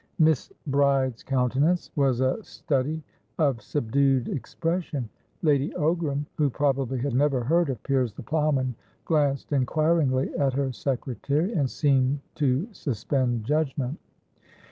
Miss Bride's countenance was a study of subdued expression. Lady Ogramwho probably had never heard of 'Piers the Plowman'glanced inquiringly at her secretary, and seemed to suspend judgment.